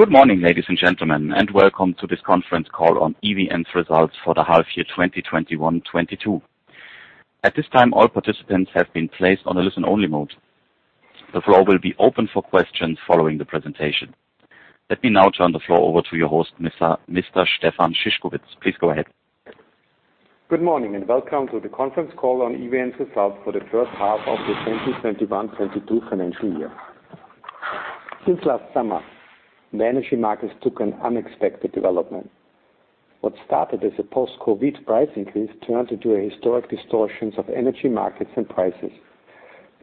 Good morning, ladies and gentlemen, and welcome to this conference call on EVN's results for the half year 2021/2022. At this time, all participants have been placed on a listen-only mode. The floor will be open for questions following the presentation. Let me now turn the floor over to your host, Mr. Stefan Szyszkowitz. Please go ahead. Good morning and welcome to the conference call on EVN's results for the first half of the 2021/2022 financial year. Since last summer, the energy markets took an unexpected development. What started as a post-COVID price increase turned into historic distortions of energy markets and prices.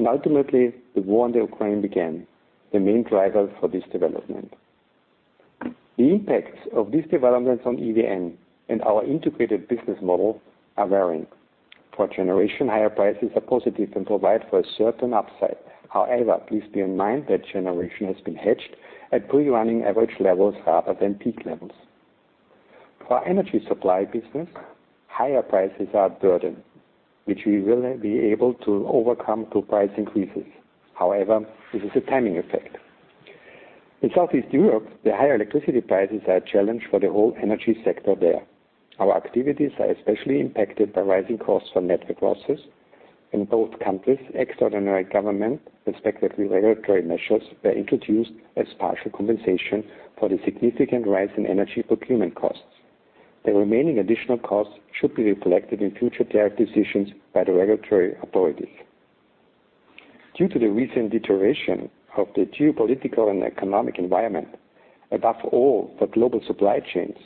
Ultimately, the war in Ukraine began, the main driver for this development. The impacts of these developments on EVN and our integrated business model are varying. For generation, higher prices are positive and provide for a certain upside. However, please bear in mind that generation has been hedged at pre-running average levels rather than peak levels. For our energy supply business, higher prices are a burden, which we will be able to overcome through price increases. However, this is a timing effect. In Southeast Europe, the higher electricity prices are a challenge for the whole energy sector there. Our activities are especially impacted by rising costs for network losses. In both countries, extraordinary government, respectively regulatory measures, were introduced as partial compensation for the significant rise in energy procurement costs. The remaining additional costs should be reflected in future tariff decisions by the regulatory authority. Due to the recent deterioration of the geopolitical and economic environment, above all, the global supply chains,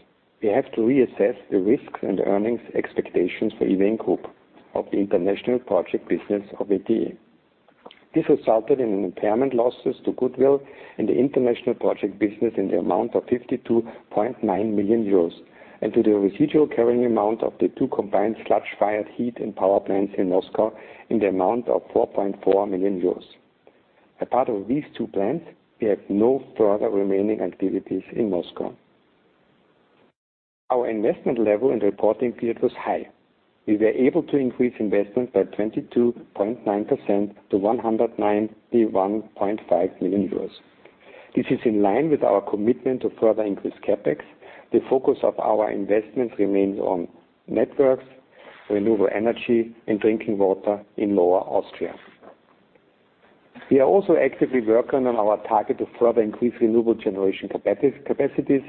we have to reassess the risks and earnings expectations for EVN Group of the international project business of WTE. This resulted in impairment losses to goodwill in the international project business in the amount of 52.9 million euros, and to the residual carrying amount of the two combined sludge-fired heat and power plants in Moscow in the amount of 4.4 million euros. Apart from these two plants, we have no further remaining activities in Moscow. Our investment level in the reporting period was high. We were able to increase investments by 22.9% to 191.5 million euros. This is in line with our commitment to further increase CapEx. The focus of our investment remains on networks, renewable energy, and drinking water in Lower Austria. We are also actively working on our target to further increase renewable generation capacities.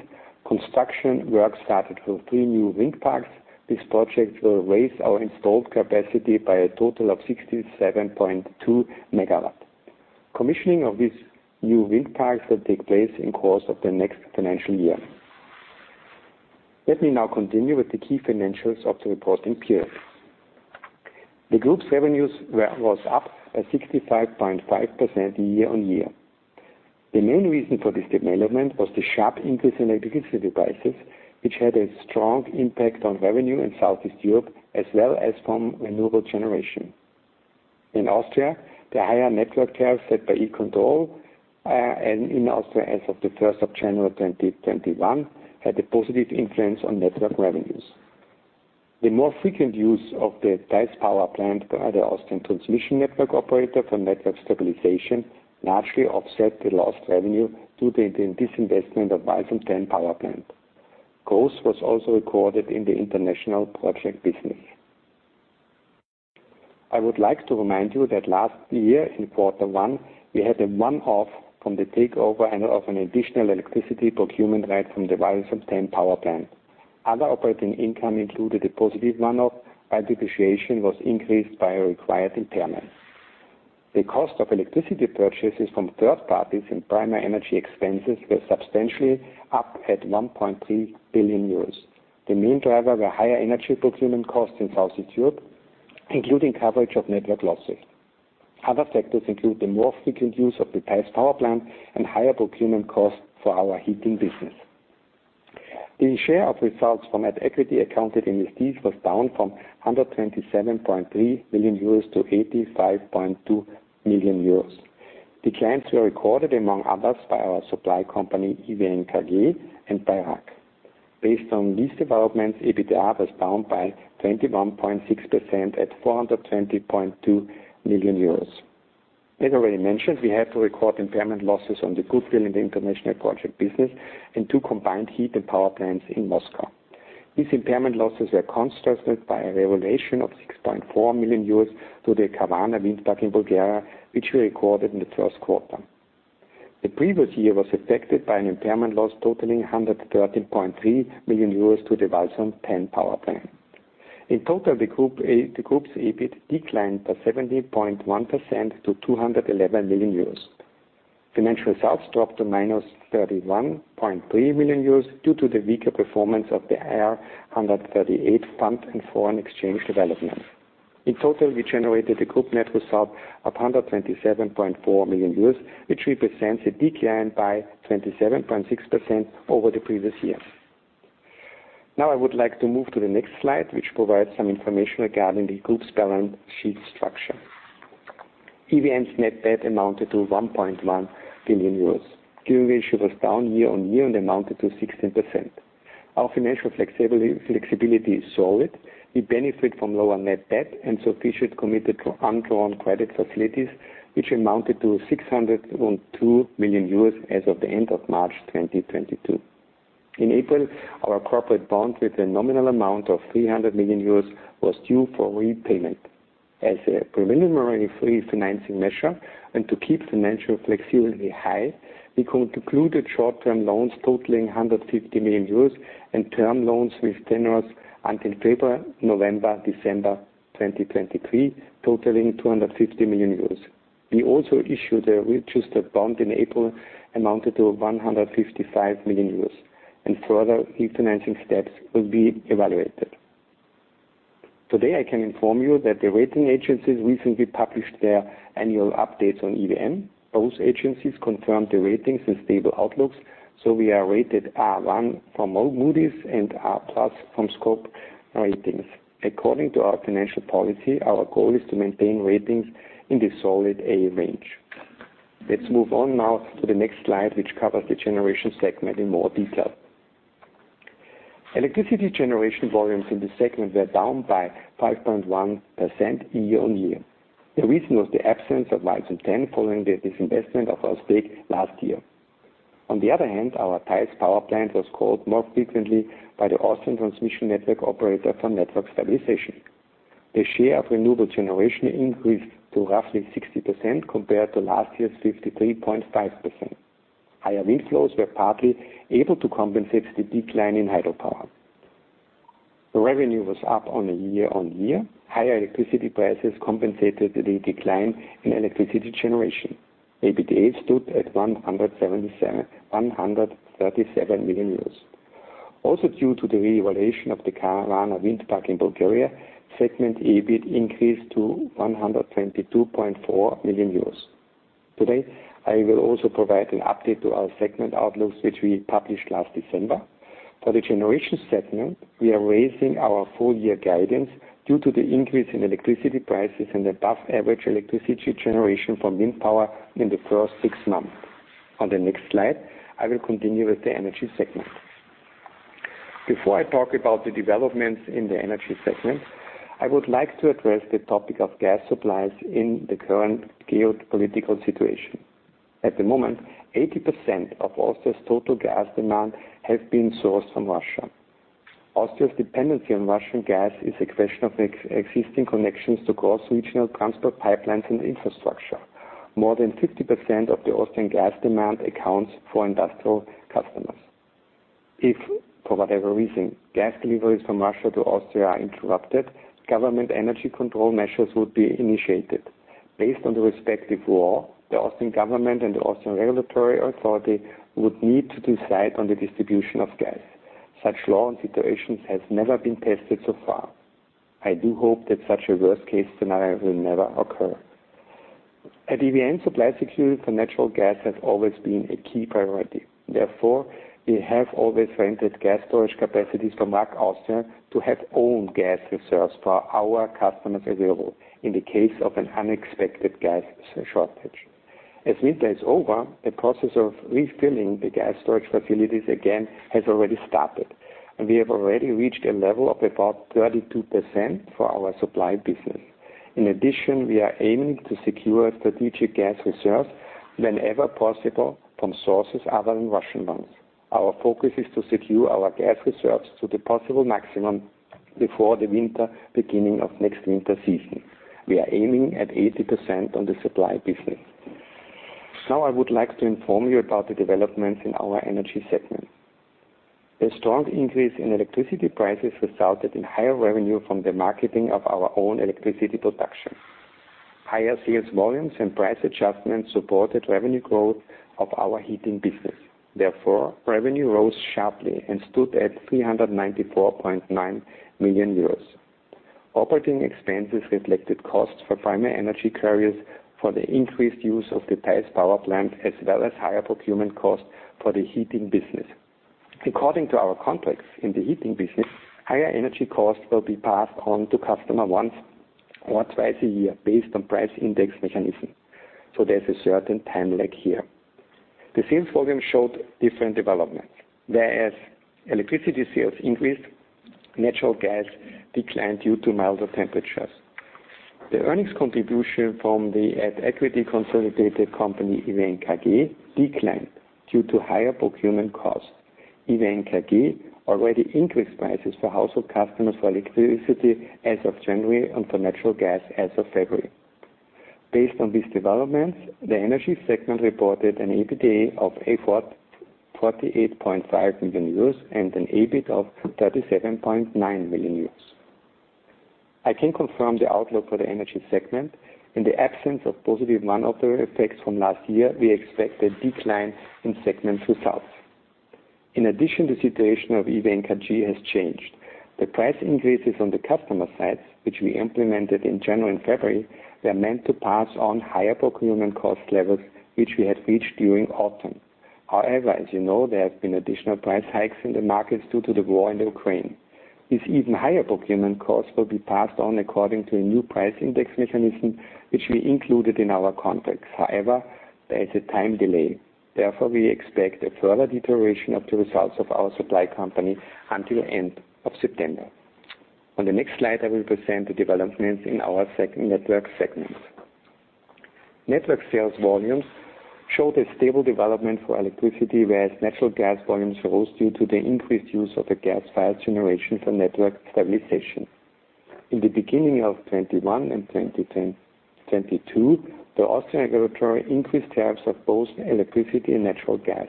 Construction work started with three new wind farms. These projects will raise our installed capacity by a total of 67.2 megawatts. Commissioning of these new wind farms will take place in the course of the next financial year. Let me now continue with the key financials of the reporting period. The group's revenues were up by 65.5% year-on-year. The main reason for this development was the sharp increase in electricity prices, which had a strong impact on revenue in Southeast Europe, as well as from renewable generation. In Austria, the higher network tariff set by E-Control, and in Austria as of the first of January 2021, had a positive influence on network revenues. The more frequent use of the Theiss power plant by the Austrian transmission network operator for network stabilization largely offset the lost revenue due to the disinvestment of Walsum 10 power plant. Growth was also recorded in the international project business. I would like to remind you that last year in quarter one, we had a one-off from the takeover and of an additional electricity procurement right from the Walsum 10 power plant. Other operating income included a positive one-off, while depreciation was increased by a required impairment. The cost of electricity purchases from third parties and primary energy expenses were substantially up at 1.3 billion euros. The main driver were higher energy procurement costs in Southeast Europe, including coverage of network losses. Other factors include the more frequent use of the Theiss power plant and higher procurement costs for our heating business. The share of results from at equity accounted investees was down from 127.3 million euros to 85.2 million euros. Declines were recorded among others by our supply company, EVN KG and by RAG. Based on these developments, EBITDA was down by 21.6% at 420.2 million euros. As already mentioned, we had to record impairment losses on the goodwill in the international project business and two combined heat and power plants in Moscow. These impairment losses were constructed by a revaluation of 6.4 million euros to the Kavarna Wind Park in Bulgaria, which we recorded in the first quarter. The previous year was affected by an impairment loss totaling 113.3 million euros to the Walsum 10 power plant. In total, the group's EBIT declined by 17.1% to 211 million euros. Financial results dropped to -31.3 million euros due to the weaker performance of the R 138 fund and foreign exchange development. In total, we generated a group net result of 127.4 million, which represents a decline by 27.6% over the previous year. Now I would like to move to the next slide, which provides some information regarding the group's balance sheet structure. EVN's net debt amounted to 1.1 billion euros. Gearing ratio was down year-on-year and amounted to 16%. Our financial flexibility is solid. We benefit from lower net debt and sufficient committed undrawn credit facilities, which amounted to 602 million euros as of the end of March 2022. In April, our corporate bond with a nominal amount of 300 million euros was due for repayment. As a preliminary bridge financing measure and to keep financial flexibility high, we concluded short-term loans totaling 150 million euros and term loans with tenors until April, November, December 2023, totaling 250 million euros. We also issued a registered bond in April, amounted to 155 million euros, and further refinancing steps will be evaluated. Today, I can inform you that the rating agencies recently published their annual updates on EVN. Those agencies confirmed the ratings and stable outlooks. We are rated A1 from Moody's and A+ from Scope Ratings. According to our financial policy, our goal is to maintain ratings in the solid A range. Let's move on now to the next slide, which covers the generation segment in more detail. Electricity generation volumes in the segment were down by 5.1% year-on-year. The reason was the absence of Walsum 10 following the disinvestment of our stake last year. On the other hand, our Theiss Power Plant was called more frequently by the Austrian transmission network operator for network stabilization. The share of renewable generation increased to roughly 60% compared to last year's 53.5%. Higher wind flows were partly able to compensate the decline in hydropower. The revenue was up on a year-on-year. Higher electricity prices compensated the decline in electricity generation. EBITDA stood at 137 million euros. Also due to the revaluation of the Kavarna Wind Park in Bulgaria, segment EBIT increased to 122.4 million euros. Today, I will also provide an update to our segment outlooks, which we published last December. For the generation segment, we are raising our full year guidance due to the increase in electricity prices and above average electricity generation from wind power in the first six months. On the next slide, I will continue with the energy segment. Before I talk about the developments in the energy segment, I would like to address the topic of gas supplies in the current geopolitical situation. At the moment, 80% of Austria's total gas demand has been sourced from Russia. Austria's dependency on Russian gas is a question of existing connections to cross-regional transport pipelines and infrastructure. More than 50% of the Austrian gas demand accounts for industrial customers. If, for whatever reason, gas deliveries from Russia to Austria are interrupted, E-Control measures would be initiated. Based on the respective law, the Austrian government and E-Control would need to decide on the distribution of gas. Such law and situations has never been tested so far. I do hope that such a worst case scenario will never occur. At EVN, supply security for natural gas has always been a key priority. Therefore, we have always rented gas storage capacities from RAG to have own gas reserves for our customers available in the case of an unexpected gas shortage. As winter is over, the process of refilling the gas storage facilities again has already started, and we have already reached a level of about 32% for our supply business. In addition, we are aiming to secure strategic gas reserves whenever possible from sources other than Russian ones. Our focus is to secure our gas reserves to the possible maximum before the winter beginning of next winter season. We are aiming at 80% on the supply business. Now I would like to inform you about the developments in our energy segment. A strong increase in electricity prices resulted in higher revenue from the marketing of our own electricity production. Higher sales volumes and price adjustments supported revenue growth of our heating business. Therefore, revenue rose sharply and stood at 394.9 million euros. Operating expenses reflected costs for primary energy carriers for the increased use of the Theiss Power Plant, as well as higher procurement costs for the heating business. According to our contracts in the heating business, higher energy costs will be passed on to customer once or twice a year based on price index mechanism, so there's a certain time lag here. The sales volume showed different developments. Whereas electricity sales increased, natural gas declined due to milder temperatures. The earnings contribution from the at equity consolidated company, EVN KG, declined due to higher procurement costs. EVN KG already increased prices for household customers for electricity as of January and for natural gas as of February. Based on these developments, the energy segment reported an EBITDA of 48.5 million euros and an EBIT of 37.9 million euros. I can confirm the outlook for the energy segment. In the absence of positive one-off effects from last year, we expect a decline in segment results. In addition, the situation of EVN KG has changed. The price increases on the customer side, which we implemented in January and February, were meant to pass on higher procurement cost levels, which we had reached during autumn. However, as you know, there have been additional price hikes in the markets due to the war in Ukraine. This even higher procurement cost will be passed on according to a new price index mechanism, which we included in our contracts. However, there is a time delay. Therefore, we expect a further deterioration of the results of our supply company until end of September. On the next slide, I will present the developments in our network segment. Network sales volumes showed a stable development for electricity, whereas natural gas volumes rose due to the increased use of the gas-fired generation for network stabilization. In the beginning of 2021 and 2022, the Austrian regulator increased tariffs of both electricity and natural gas.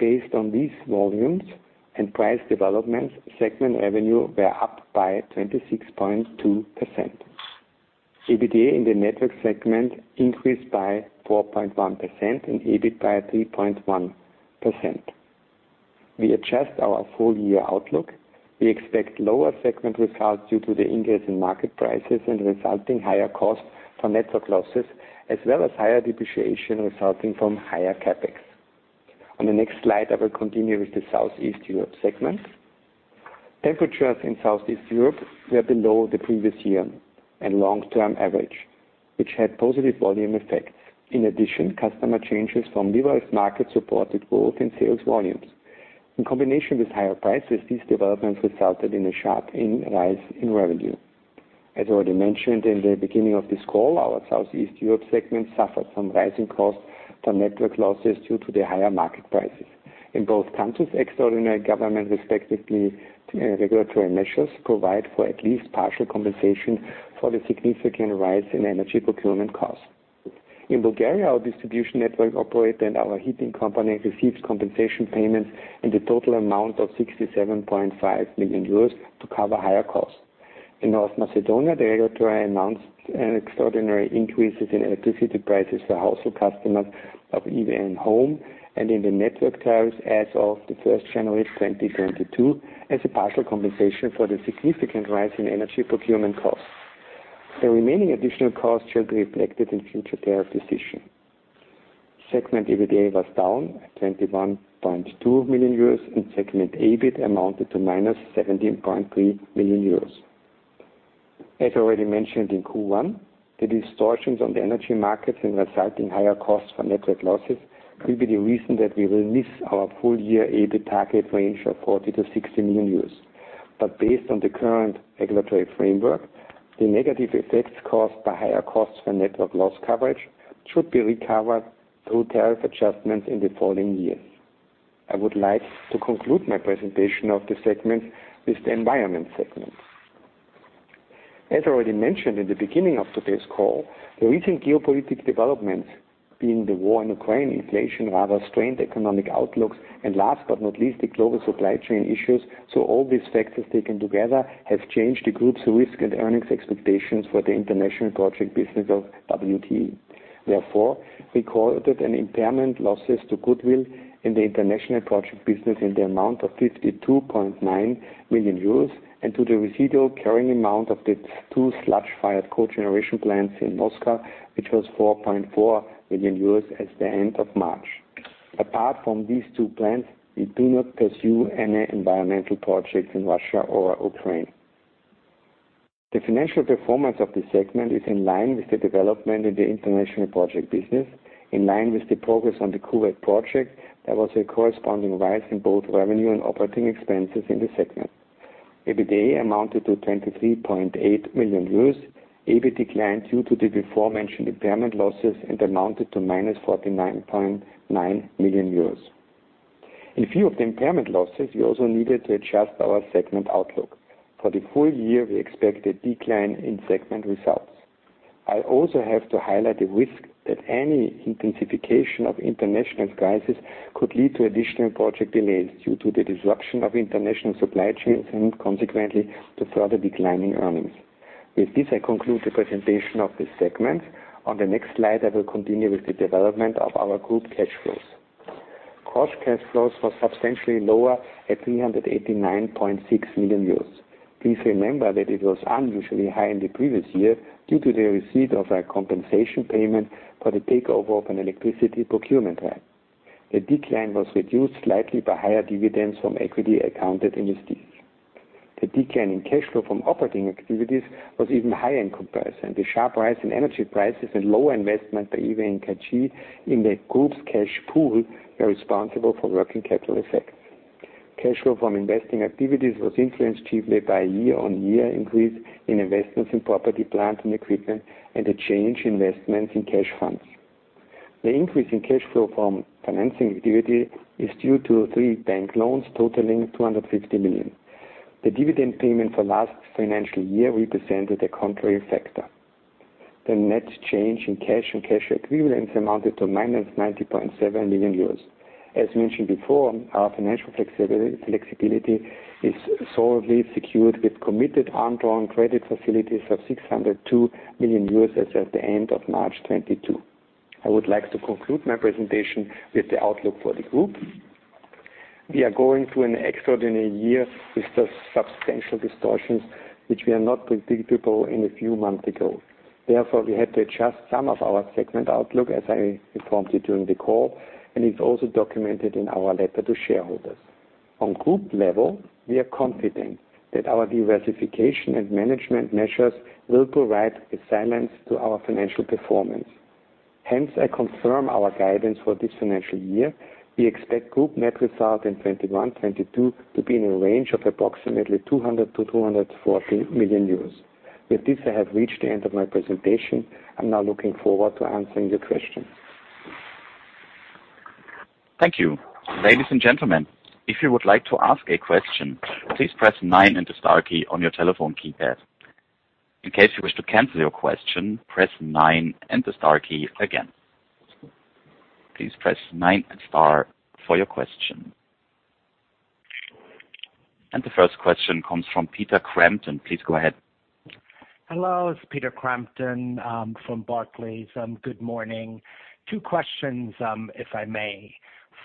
Based on these volumes and price developments, segment revenue were up by 26.2%. EBITDA in the network segment increased by 4.1% and EBIT by 3.1%. We adjust our full-year outlook. We expect lower segment results due to the increase in market prices and resulting higher cost for network losses, as well as higher depreciation resulting from higher CapEx. On the next slide, I will continue with the Southeast Europe segment. Temperatures in Southeast Europe were below the previous year and long-term average, which had positive volume effects. In addition, customer changes from liberalized markets supported growth in sales volumes. In combination with higher prices, these developments resulted in a sharp rise in revenue. As already mentioned in the beginning of this call, our Southeast Europe segment suffered from rising costs due to network losses due to the higher market prices. In both countries, extraordinary government, respectively, regulatory measures provide for at least partial compensation for the significant rise in energy procurement costs. In Bulgaria, our distribution network operator and our heating company receives compensation payments in the total amount of 67.5 million euros to cover higher costs. In North Macedonia, the regulator announced an extraordinary increase in electricity prices for household customers of EVN Home and in the network tariffs as of the first January 2022, as a partial compensation for the significant rise in energy procurement costs. The remaining additional costs shall be reflected in future tariff decision. Segment EBITDA was down at 21.2 million euros, and segment EBIT amounted to -17.3 million euros. As already mentioned in Q1, the distortions on the energy markets and resulting higher costs for network losses will be the reason that we will miss our full year EBIT target range of 40 million-60 million euros. Based on the current regulatory framework, the negative effects caused by higher costs for network loss coverage should be recovered through tariff adjustments in the following years. I would like to conclude my presentation of the segment with the environment segment. As already mentioned in the beginning of today's call, the recent geopolitical developments, being the war in Ukraine, inflation, rather strained economic outlooks, and last but not least, the global supply chain issues. All these factors taken together have changed the group's risk and earnings expectations for the international project business of WTE. Therefore, we recorded an impairment losses to goodwill in the international project business in the amount of 52.9 million euros and to the residual carrying amount of the two sludge-fired cogeneration plants in Moscow, which was 4.4 million euros as at the end of March. Apart from these two plants, we do not pursue any environmental projects in Russia or Ukraine. The financial performance of this segment is in line with the development in the international project business. In line with the progress on the Kuwait project, there was a corresponding rise in both revenue and operating expenses in the segment. EBITDA amounted to 23.8 million euros. EBIT declined due to the aforementioned impairment losses and amounted to -49.9 million euros. In view of the impairment losses, we also needed to adjust our segment outlook. For the full year, we expect a decline in segment results. I also have to highlight the risk that any intensification of international crisis could lead to additional project delays due to the disruption of international supply chains and consequently to further declining earnings. With this, I conclude the presentation of this segment. On the next slide, I will continue with the development of our group cash flows. Gross cash flows was substantially lower at 389.6 million. Please remember that it was unusually high in the previous year due to the receipt of a compensation payment for the takeover of an electricity procurement hub. The decline was reduced slightly by higher dividends from equity accounted investors. The decline in cash flow from operating activities was even higher in comparison. The sharp rise in energy prices and lower investment by EVN KG in the group's cash pool were responsible for working capital effects. Cash flow from investing activities was influenced chiefly by year-on-year increase in investments in property, plant, and equipment and a change in investments in cash funds. The increase in cash flow from financing activity is due to three bank loans totaling 250 million. The dividend payment for last financial year represented a contrary factor. The net change in cash and cash equivalents amounted to -90.7 million euros. As mentioned before, our financial flexibility is solidly secured with committed undrawn credit facilities of 602 million as at the end of March 2022. I would like to conclude my presentation with the outlook for the group. We are going through an extraordinary year with substantial distortions which were not predictable a few months ago. Therefore, we had to adjust some of our segment outlook, as I informed you during the call, and it's also documented in our letter to shareholders. On group level, we are confident that our diversification and management measures will provide assistance to our financial performance. Hence, I confirm our guidance for this financial year. We expect group net result in 2021-2022 to be in a range of approximately 200 million-240 million euros. With this, I have reached the end of my presentation. I'm now looking forward to answering the questions. Thank you. Ladies and gentlemen, if you would like to ask a question, please press nine and the star key on your telephone keypad. In case you wish to cancel your question, press nine and the star key again. Please press nine and star for your question. The first question comes from Peter Crampton. Please go ahead. Hello, it's Peter Crampton from Barclays. Good morning. Two questions, if I may.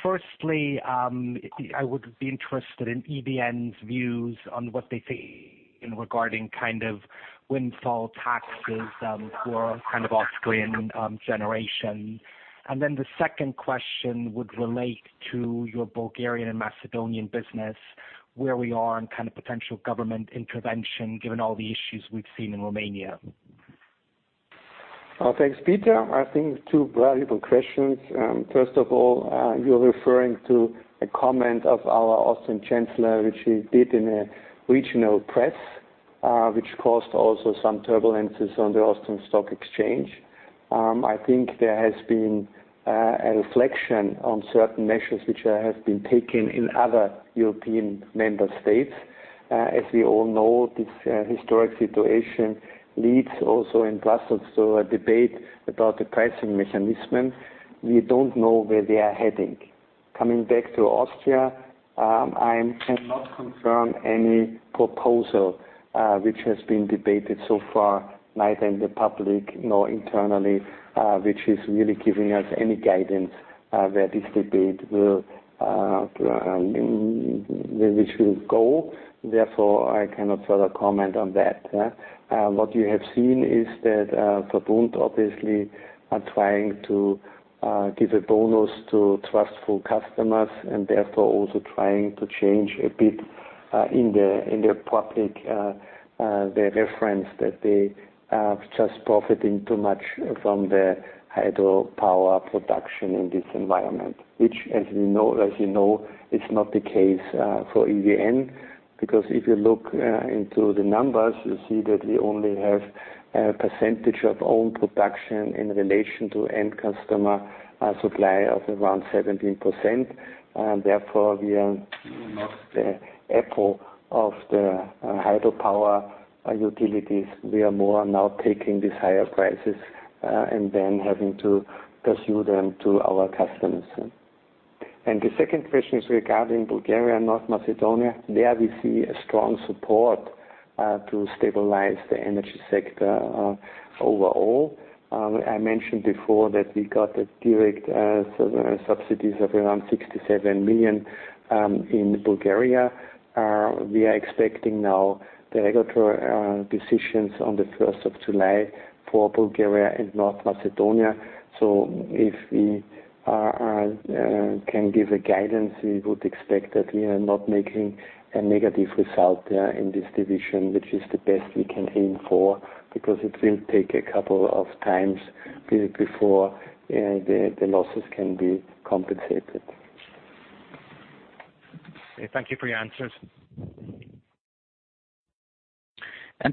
Firstly, I would be interested in EVN's views on what they see in regarding kind of windfall taxes for kind of Austrian generation. The second question would relate to your Bulgarian and Macedonian business, where we are on kind of potential government intervention, given all the issues we've seen in Romania. Thanks, Peter. I think two valuable questions. First of all, you're referring to a comment of our Austrian chancellor, which he did in a regional press, which caused also some turbulences on the Austrian Stock Exchange. I think there has been a reflection on certain measures which have been taken in other European member states. As we all know, this historic situation leads also in Brussels to a debate about the pricing mechanism. We don't know where they are heading. Coming back to Austria, I cannot confirm any proposal which has been debated so far, neither in the public nor internally, which is really giving us any guidance where this debate will go. Therefore, I cannot further comment on that. What you have seen is that Verbund obviously are trying to give a bonus to trustful customers and therefore also trying to change a bit in the public the reference that they are just profiting too much from the hydropower production in this environment, which, as you know, is not the case for EVN. Because if you look into the numbers, you see that we only have a percentage of own production in relation to end customer supply of around 17%. Therefore we are not the apple of the hydropower utilities. We are more now taking these higher prices and then having to pass them to our customers. The second question is regarding Bulgaria, North Macedonia. There we see a strong support to stabilize the energy sector overall. I mentioned before that we got direct subsidies of around 67 million in Bulgaria. We are expecting now the regulatory decisions on the first of July for Bulgaria and North Macedonia. If we can give a guidance, we would expect that we are not making a negative result there in this division, which is the best we can aim for, because it will take a couple of times before the losses can be compensated. Thank you for your answers.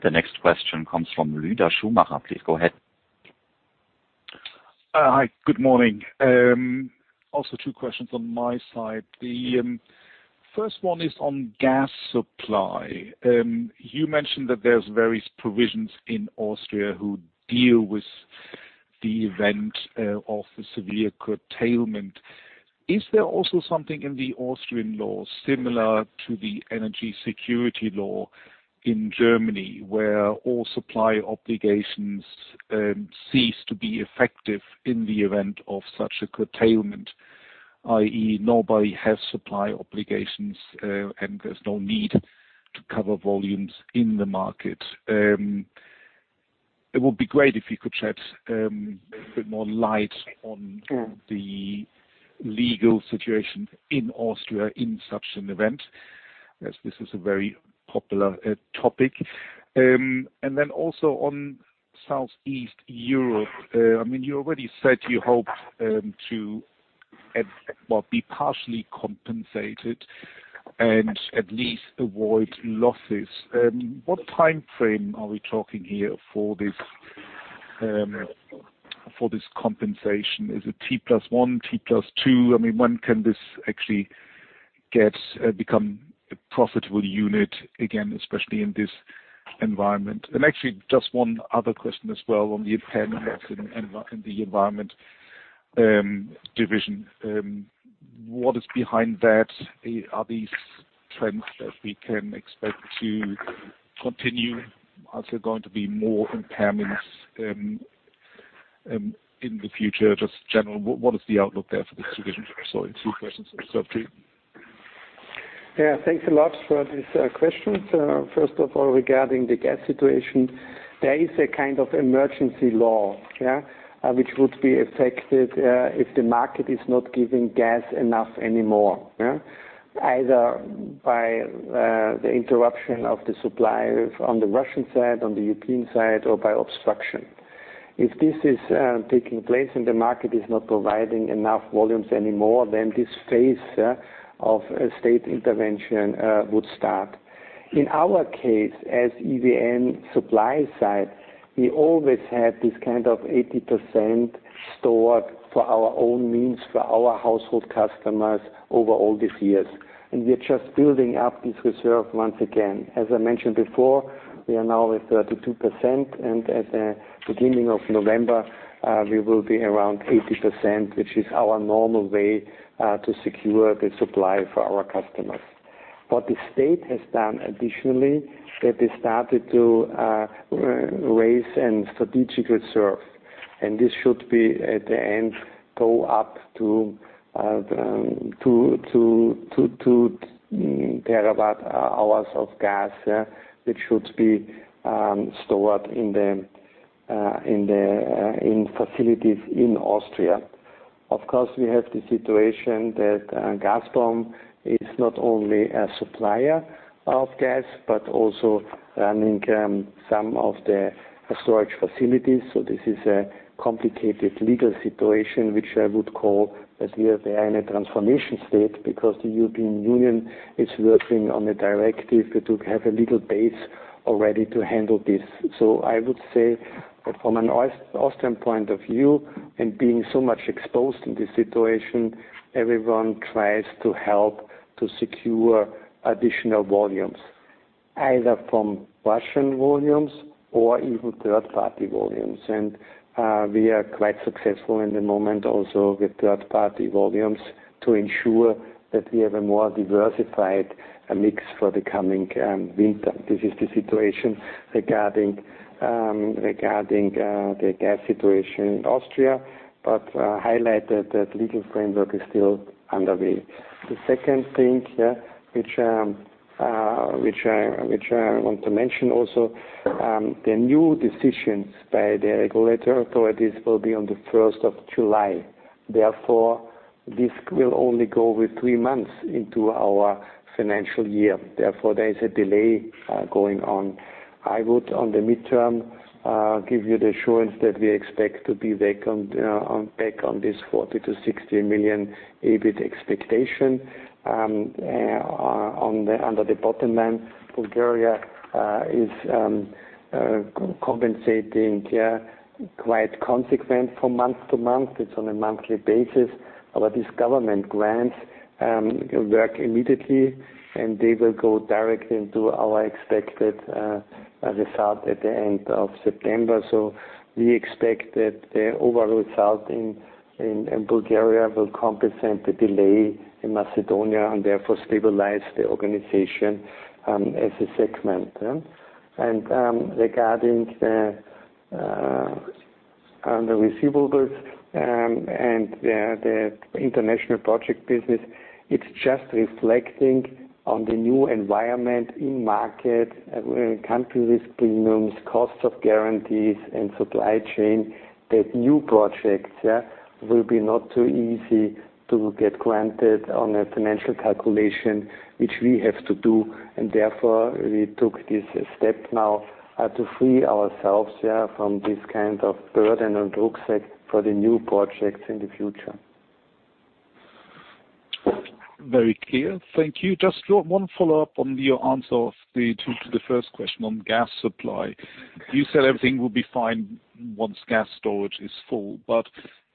The next question comes from Lueder Schumacher. Please go ahead. Hi, good morning. Also two questions on my side. The first one is on gas supply. You mentioned that there's various provisions in Austria who deal with the event of a severe curtailment. Is there also something in the Austrian law similar to the energy security law in Germany, where all supply obligations cease to be effective in the event of such a curtailment, i.e., nobody has supply obligations and there's no need to cover volumes in the market? It would be great if you could shed a bit more light on the legal situation in Austria in such an event, as this is a very popular topic. Also on Southeast Europe, I mean, you already said you hope to well be partially compensated and at least avoid losses. What timeframe are we talking here for this, for this compensation? Is it T plus one, T plus two? I mean, when can this actually get become a profitable unit again, especially in this environment? Actually, just one other question as well on the impairments in the environment division. What is behind that? Are these trends that we can expect to continue? Are there going to be more impairments in the future? Just general, what is the outlook there for this division? Two questions. Yeah, thanks a lot for these questions. First of all, regarding the gas situation, there is a kind of emergency law which would be effective if the market is not giving enough gas anymore. Either by the interruption of the supply on the Russian side, on the European side, or by obstruction. If this is taking place and the market is not providing enough volumes anymore, then this phase of state intervention would start. In our case, as EVN supply side, we always had this kind of 80% stored for our own means, for our household customers over all these years. We are just building up this reserve once again. As I mentioned before, we are now at 32%, and at the beginning of November, we will be around 80%, which is our normal way to secure the supply for our customers. What the state has done additionally, that they started to raise and strategically reserve. This should be at the end, go up to terawatt-hours of gas, which should be stored in the facilities in Austria. Of course, we have the situation that Gazprom is not only a supplier of gas, but also running some of the storage facilities. This is a complicated legal situation, which I would call a transformation state because the European Union is working on a directive to have a legal base already to handle this. I would say from an Austrian point of view, and being so much exposed in this situation, everyone tries to help to secure additional volumes, either from Russian volumes or even third-party volumes. We are quite successful at the moment also with third-party volumes to ensure that we have a more diversified mix for the coming winter. This is the situation regarding the gas situation in Austria, but highlighted that legal framework is still underway. The second thing which I want to mention also, the new decisions by the regulatory authorities will be on the first of July. Therefore, this will only go with three months into our financial year. Therefore, there is a delay going on. I would, on the midterm, give you the assurance that we expect to be back on this 40 million-60 million EBIT expectation, under the bottom line. Bulgaria is compensating, yeah, quite consistent from month to month. It's on a monthly basis. These government grants work immediately, and they will go directly into our expected result at the end of September. We expect that the overall result in Bulgaria will compensate the delay in Macedonia, and therefore stabilize the organization, as a segment. Regarding the receivables and the international project business, it's just reflecting on the new environment in market, country risk premiums, costs of guarantees and supply chain, that new projects, yeah, will be not too easy to get granted on a financial calculation, which we have to do. Therefore, we took this step now to free ourselves, yeah, from this kind of burden and rucksack for the new projects in the future. Very clear. Thank you. Just one follow-up on your answer of the Sure. To the first question on gas supply. You said everything will be fine once gas storage is full, but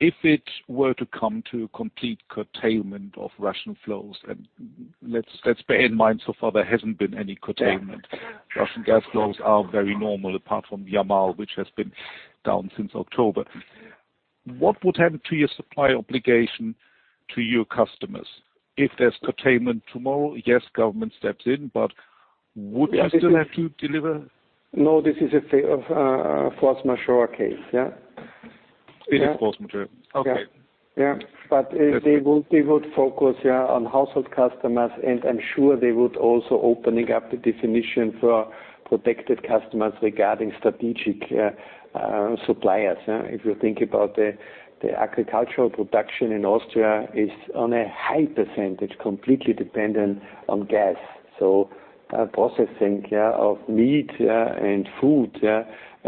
if it were to come to a complete curtailment of Russian flows, and let's bear in mind so far there hasn't been any curtailment. Yeah. Russian gas flows are very normal, apart from Yamal, which has been down since October. What would happen to your supply obligation to your customers? If there's curtailment tomorrow, yes, government steps in, but would you still have to deliver? No, this is a force majeure case, yeah? It is force majeure. Okay. They would focus on household customers, and I'm sure they would also opening up the definition for protected customers regarding strategic suppliers. If you think about the agricultural production in Austria is on a high percentage completely dependent on gas. Processing of meat and food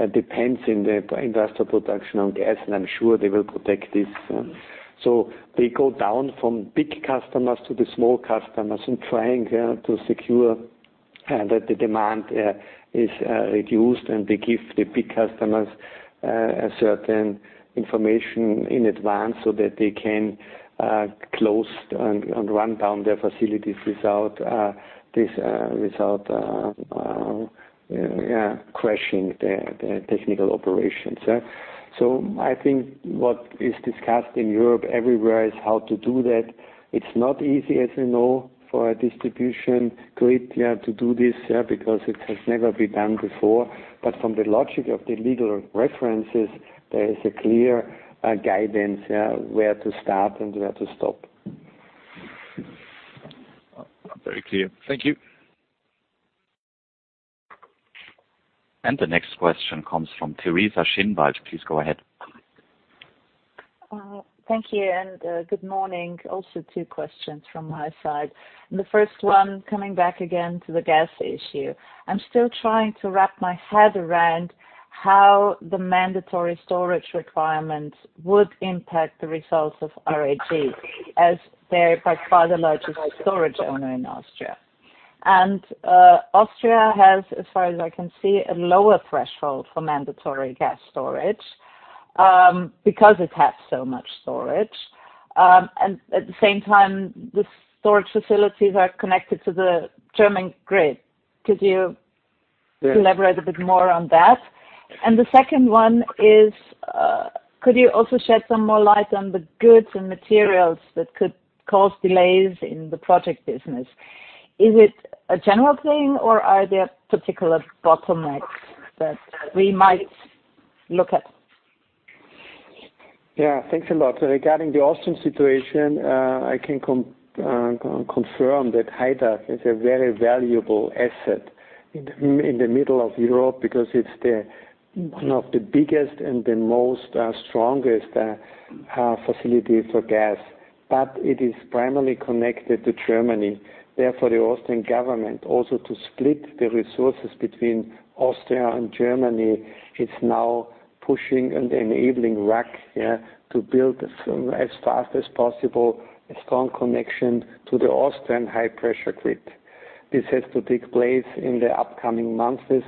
depends in the industrial production on gas, and I'm sure they will protect this. They go down from big customers to the small customers and trying to secure that the demand is reduced, and they give the big customers a certain information in advance so that they can close and run down their facilities without this without crashing the technical operations. I think what is discussed in Europe everywhere is how to do that. It's not easy, as you know, for a distribution grid, yeah, to do this, yeah, because it has never been done before. From the logic of the legal references, there is a clear, guidance, yeah, where to start and where to stop. Very clear. Thank you. The next question comes from Teresa Schinwald. Please go ahead. Thank you, and good morning. Also two questions from my side. The first one, coming back again to the gas issue. I'm still trying to wrap my head around how the mandatory storage requirements would impact the results of RAG as they're by far the largest storage owner in Austria. Austria has, as far as I can see, a lower threshold for mandatory gas storage, because it has so much storage. At the same time, the storage facilities are connected to the German grid. Could you elaborate a bit more on that? The second one is, could you also shed some more light on the goods and materials that could cause delays in the project business? Is it a general thing, or are there particular bottlenecks that we might look at? Yeah. Thanks a lot. Regarding the Austrian situation, I can confirm that Haidach is a very valuable asset in the middle of Europe because it's one of the biggest and the strongest facility for gas. It is primarily connected to Germany. Therefore, the Austrian government, also to split the resources between Austria and Germany, is now pushing and enabling RAG to build as fast as possible a strong connection to the Austrian high-pressure grid. This has to take place in the upcoming months this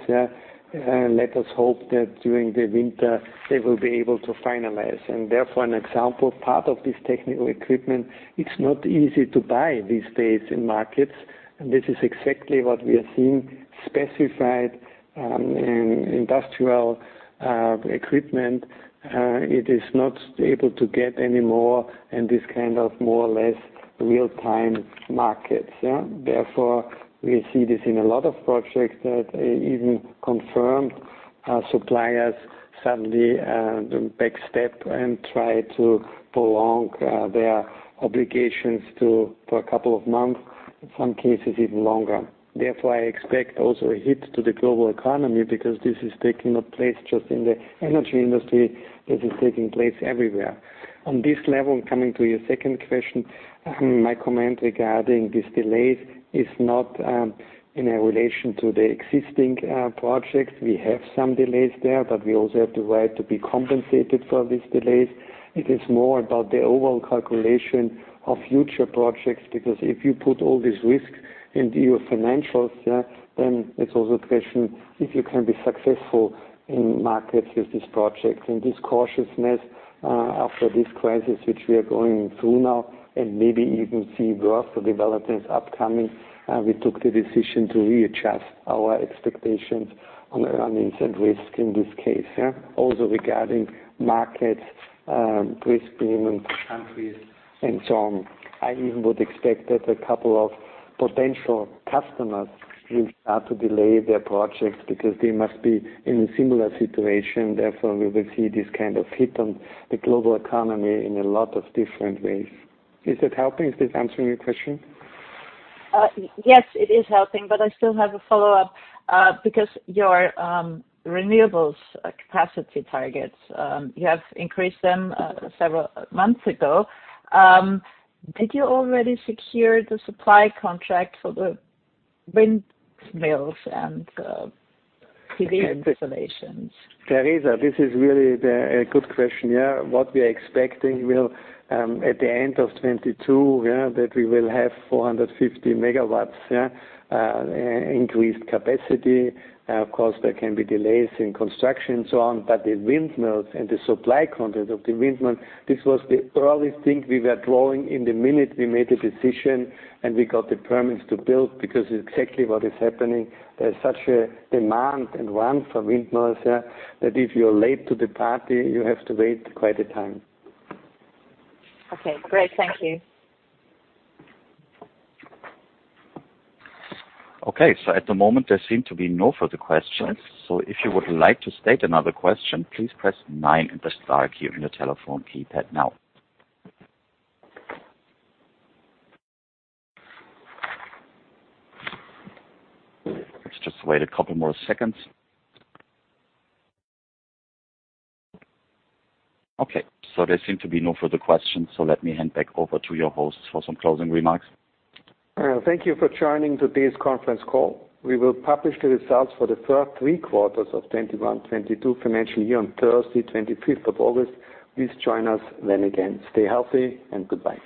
year, and let us hope that during the winter they will be able to finalize. Therefore, for example, part of this technical equipment, it's not easy to buy these days in markets. This is exactly what we are seeing, specified industrial equipment. It is not able to get any more in this kind of more or less real-time markets, yeah? Therefore, we see this in a lot of projects that even confirmed suppliers suddenly backstep and try to prolong their obligations for a couple of months, in some cases even longer. Therefore, I expect also a hit to the global economy because this is taking place just in the energy industry. This is taking place everywhere. On this level, coming to your second question, my comment regarding these delays is not in relation to the existing projects. We have some delays there, but we also have the right to be compensated for these delays. It is more about the overall calculation of future projects because if you put all this risk into your financials, yeah, then it's also a question if you can be successful in markets with these projects. This cautiousness, after this crisis which we are going through now and maybe even see worse developments upcoming, we took the decision to readjust our expectations on earnings and risk in this case, yeah. Also, regarding markets, risk premium countries and so on. I even would expect that a couple of potential customers will start to delay their projects because they must be in a similar situation. Therefore, we will see this kind of hit on the global economy in a lot of different ways. Is that helping? Is this answering your question? Yes, it is helping, but I still have a follow-up. Because your renewables capacity targets, you have increased them several months ago. Did you already secure the supply contract for the windmills and PV installations? Teresa, this is really a good question. Yeah. What we are expecting will, at the end of 2022, yeah, that we will have 450 MW increased capacity. Of course, there can be delays in construction and so on. The windmills and the supply contract of the windmills, this was the earliest thing we were drawing in the minute we made a decision and we got the permits to build because exactly what is happening, there's such a demand and run for windmills, yeah, that if you're late to the party, you have to wait quite a time. Okay, great. Thank you. Okay. At the moment there seem to be no further questions. If you would like to state another question, please press nine and the star key on your telephone keypad now. Let's just wait a couple more seconds. Okay. There seem to be no further questions, so let me hand back over to your host for some closing remarks. Thank you for joining today's conference call. We will publish the results for the first three quarters of fiscal year 2021-2022 on Thursday, August 25th. Please join us then again. Stay healthy and goodbye.